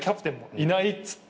いないっつって。